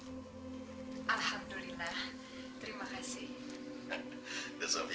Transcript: alhamdulillah terima kasih